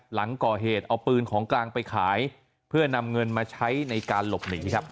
หลังก่อเหตุเอาปืนของกลางไปขายเพื่อนำเงินมาใช้ในการหลบหนีครับ